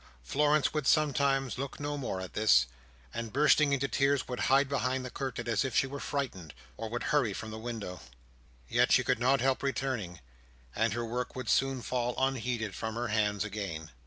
Florence would sometimes look no more at this, and bursting into tears would hide behind the curtain as if she were frightened, or would hurry from the window. Yet she could not help returning; and her work would soon fall unheeded from her hands again.